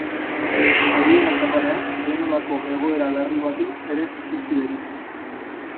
Adiera zabalean, edonolako egoera larri bati ere krisi deritzo.